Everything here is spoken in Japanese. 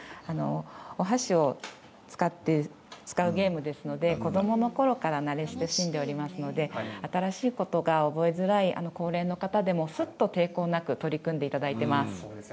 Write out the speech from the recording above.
お箸を使うゲームですので子どものころから慣れ親しんでいますので新しいことが覚えづらい高齢の方でもすっと抵抗なく取り組んでいただいています。